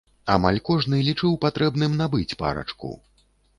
Амаль кожны лічыў патрэбным набыць парачку.